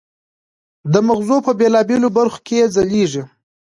د مغزو په بېلابېلو برخو کې یې ځلېږي.